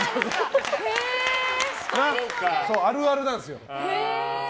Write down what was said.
そう、あるあるなんですよ。